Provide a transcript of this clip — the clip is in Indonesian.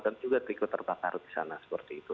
dan juga terikat terbakar di sana seperti itu